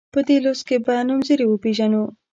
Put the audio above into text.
په دې لوست کې به نومځري وپيژنو.